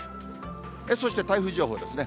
そして台風情報ですね。